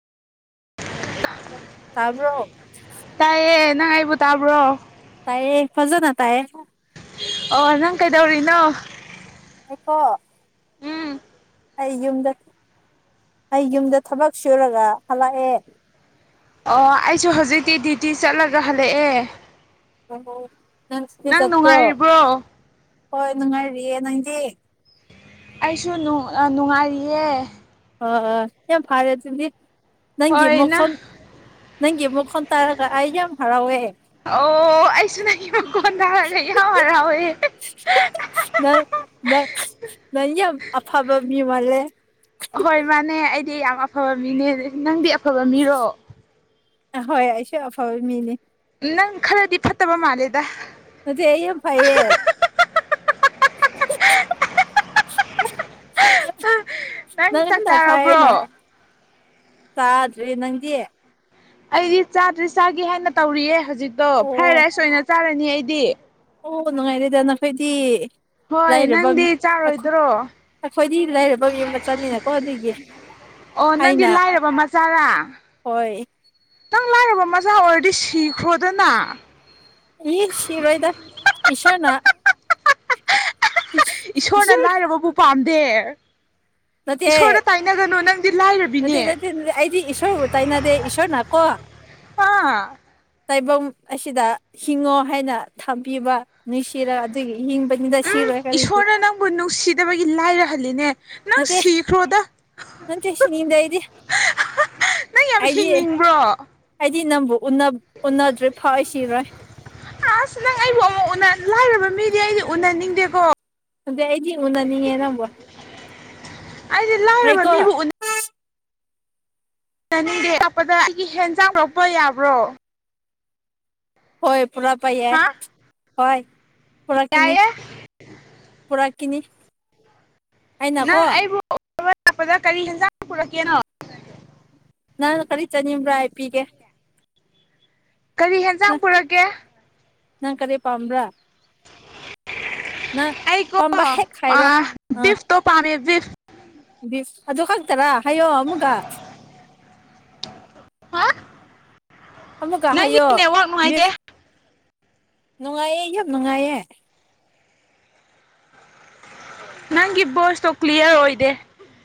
ꯇꯕ꯭ꯔꯣ ꯅꯪꯉꯥꯏꯕꯨ ꯇꯥꯕ꯭ꯔꯣ ꯇꯥꯏꯌꯦ ꯐꯖꯅ ꯇꯥꯏꯌꯦ ꯑꯣ ꯅꯪ ꯀꯩꯗꯧꯔꯤꯅꯣ ꯑꯩꯣ ꯎꯝ ꯑꯩ ꯌꯨꯝꯗ ꯑꯩ ꯌꯨꯝꯗ ꯊꯕꯛ ꯁꯨꯔꯒ ꯍꯜꯂꯛꯑꯦ ꯑꯣ ꯑꯩꯁꯨ ꯍꯧꯖꯤꯛꯇꯤ ꯗ꯭ꯌꯨꯇꯤ ꯆꯠꯂꯒ ꯍꯜꯂꯛꯑꯦ ꯑ ꯅꯪ ꯆꯄ꯭ꯔꯣ ꯍꯣꯏ ꯅꯨꯡꯉꯥꯏꯔꯤꯌꯦꯦ ꯅꯪꯗꯤꯦ ꯑꯩꯁꯨ ꯅꯨꯡꯉꯥꯏꯔꯤꯌꯦ ꯑꯣ ꯑ ꯌꯥꯝ ꯐꯔꯦ ꯑꯗꯨꯗꯤ ꯅꯪꯒꯤ ꯍꯣꯏ ꯅꯪ ꯃꯈꯜ ꯅꯪꯒꯤ ꯈꯣꯟ ꯇꯔꯒ ꯑꯩꯖ ꯌꯥꯝ ꯍꯔꯥꯎꯋꯦ ꯅ ꯀꯣꯟꯗꯔ ꯑꯣꯏ ꯅꯪ ꯅ ꯅꯪ ꯑꯕ ꯃꯤ ꯃꯂꯦ ꯍꯣꯏ ꯃꯥꯅꯦ ꯑꯩꯗꯤ ꯌꯥꯝ ꯑꯐꯕ ꯃꯤꯅꯦ ꯅꯪꯗꯤ ꯑꯐꯕ ꯃꯤꯔꯣ ꯑ ꯍꯣꯏ ꯑꯩꯁꯨ ꯑꯐꯕ ꯃꯤꯅꯦ ꯅꯪ ꯈꯔꯗꯤ ꯐꯠꯇꯕ ꯃꯥꯜꯂꯦꯗ ꯃꯗꯤ ꯐꯌꯦꯦ ꯅꯪ ꯅꯅꯦ ꯆꯥꯛ ꯍꯗ ꯐꯅ ꯆꯥꯔꯕ꯭ꯔꯣ ꯆꯗ꯭ꯔꯤ ꯅꯪꯗꯤ ꯑꯩꯗꯤ ꯆꯥꯗ꯭ꯔꯤ ꯆꯥꯒꯦ ꯍꯥꯏꯅ ꯇꯧꯔꯤꯌꯦ ꯍꯧꯖꯤꯛꯇꯣ ꯑꯣ ꯐ꯭ꯔꯥꯏ ꯔꯥꯏꯁ ꯑꯣꯏꯅ ꯆꯥꯔꯅꯤ ꯑꯩꯗꯤ ꯑꯣ ꯅꯨꯡꯉꯥꯏꯔꯦꯗ ꯅꯈꯣꯏꯗꯤ ꯍꯣꯏ ꯂꯥꯏꯔꯕ ꯅꯪꯗꯤ ꯑꯩꯈꯣꯏ ꯆꯥꯔꯣꯏꯗ꯭ꯔꯣ ꯑꯩꯈꯣꯏꯗꯤ ꯂꯩꯔꯕ ꯌ ꯃꯆꯥꯅꯤꯅꯀꯣ ꯑꯗꯨꯏꯒꯤ ꯑꯣ ꯅꯪꯗꯤ ꯂꯥꯏꯔꯕ ꯃꯆꯥꯅ ꯍꯣꯏ ꯅꯪ ꯂꯥꯏꯔꯕ ꯃꯆꯥ ꯑꯣꯏꯔꯗꯤ ꯁꯤꯈ꯭ꯔꯣꯗꯅ ꯌꯦ ꯁꯤꯕꯣꯏꯗ ꯏꯁꯣꯟꯅꯥ ꯏꯁꯣꯔꯅ ꯏꯁꯣꯔ ꯂꯥꯏꯔꯕꯕꯨ ꯄꯥꯝꯗꯦ ꯅꯠꯇꯦ ꯏꯁꯣꯔꯗ ꯇꯥꯏꯅꯒꯅꯨ ꯅꯪ ꯅꯠꯇꯦ ꯅꯠꯇꯦ ꯑꯩꯗꯤ ꯏꯁꯣꯔꯕꯨ ꯇꯥꯏꯅꯗꯦ ꯏꯁꯣꯔꯅ ꯀꯣ ꯑꯥ ꯇꯥꯏꯕꯪ ꯑꯁꯤꯗ ꯍꯤꯡꯉꯣ ꯍꯥꯏꯅ ꯊꯝꯕꯤꯕ ꯅꯨꯡꯁꯤꯔ ꯑꯗꯨꯒꯤ ꯍꯤꯡꯕꯅꯤꯗ ꯎꯝ ꯁꯤꯔꯣꯏ ꯀꯔꯤꯒꯤ ꯏꯁꯣꯔꯅ ꯅꯪꯕꯨ ꯅꯨꯡꯁꯤꯗꯕꯒꯤ ꯂꯥꯏꯔꯍꯜꯂꯤꯅꯦ ꯅꯪ ꯅꯪ ꯁꯤꯈ ꯔꯣꯗꯥꯣ ꯅꯟ ꯀꯁꯤꯅꯤꯗ ꯍꯥꯏꯗ ꯅꯪ ꯌꯥꯝ ꯍꯥꯏꯗꯦ ꯍꯤꯡꯅꯤꯡꯕ꯭ꯔꯣ ꯍꯥꯏꯗꯤ ꯅꯪꯕꯨ ꯎꯅꯗ꯭ꯔꯦ ꯐꯥꯎ ꯁꯤꯔꯣꯏ ꯑꯁ ꯅꯪ ꯑꯩꯕꯨ ꯑꯃꯨꯛ ꯎꯅ ꯂꯥꯏꯔꯕ ꯃꯤꯗꯤ ꯑꯩꯗꯤ ꯎꯅꯍꯟꯅꯤꯡꯗꯦꯀꯣ ꯃꯗ ꯍꯥꯏꯉ ꯅꯅꯤ ꯅꯝꯕ ꯑꯩꯗꯤ ꯂꯥꯏꯔꯕ ꯃꯤꯕꯨ ꯎ ꯉꯅꯤꯡꯗ ꯀꯛꯄꯗ ꯑꯩꯒꯤ ꯍꯦꯟꯖꯥꯡ ꯂꯧꯔꯄ ꯌꯥꯕ꯭ꯔꯣ ꯍꯣꯏ ꯄꯨꯔꯥ ꯄꯥꯏ ꯌꯥ ꯍꯥ ꯍꯣꯏ ꯄꯨꯔꯥ ꯀꯅꯤ ꯌꯥꯏꯌꯦ ꯄꯨꯔꯥ ꯀꯅꯤ ꯑ ꯅꯪ ꯅꯕꯣ ꯑꯩꯕꯨ ꯂꯥꯛꯄꯗ ꯀꯔꯤ ꯌꯦꯦꯟꯖꯥꯡ ꯄꯨꯔꯛꯀꯦꯅꯣ ꯅꯥꯟ ꯀꯔꯤ ꯆꯅꯤꯡꯕ꯭ꯔꯥ ꯍꯥꯏ ꯄꯄꯤꯒꯦ ꯀꯔꯤ ꯌꯦꯦꯟꯖꯥꯡ ꯄꯨꯔꯛꯒꯦ ꯅꯪ ꯀꯔꯤ ꯄꯥꯝꯕ꯭ꯔꯥ ꯅꯪ ꯑꯩꯀꯣ ꯄꯥꯝꯕ ꯍꯦꯛ ꯍꯥꯏꯔꯣ ꯕꯤꯐꯇꯣ ꯄꯥꯝꯃꯦ ꯕꯤꯐ ꯗꯤ ꯑꯗꯨ ꯈꯪꯛꯇꯔꯥ ꯑꯌꯣ ꯑꯃꯨꯒ ꯍꯥ ꯑꯃꯨꯛꯀ ꯅꯪꯒꯤ ꯍꯥꯏꯌꯣ ꯅꯦꯠꯋꯥꯛ ꯅꯨꯡꯉꯥꯏꯇꯦ ꯃꯤꯐ ꯅꯨꯡꯉꯥꯏꯌꯦ ꯌꯨꯝ ꯅꯨꯡꯉꯥꯏꯌꯦ ꯅꯪ ꯏꯕꯣꯁꯣ ꯀ꯭ꯂꯤꯌꯥꯔ ꯑꯣꯏꯣꯏꯗꯦ